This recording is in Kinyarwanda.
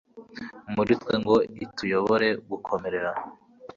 muri twe ngo ituyobore gukomerera